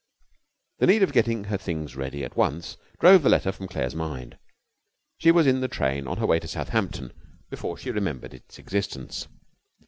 The need of getting her things ready at once drove the letter from Claire's mind. She was in the train on her way to Southampton before she remembered its existence.